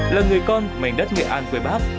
là người con của mảnh đất nghệ an quê bắc